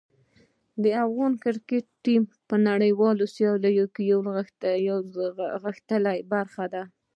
د افغان کرکټ ټیم په نړیوالو سیالیو کې یوه غښتلې برخه ده.